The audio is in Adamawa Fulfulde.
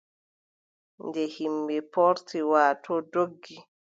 Nde yimɓe poorti, waatoo doggi,